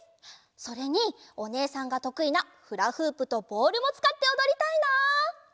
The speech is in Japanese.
それにおねえさんがとくいなフラフープとボールもつかっておどりたいな！